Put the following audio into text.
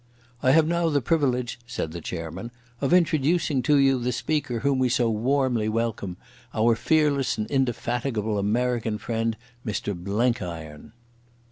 "I have now the privilege," said the chairman, "of introducing to you the speaker whom we so warmly welcome, our fearless and indefatigable American friend, Mr Blenkiron."